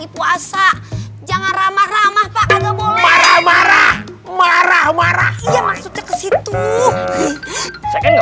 puasa jangan ramah ramah pak nggak boleh marah marah marah marah ke situ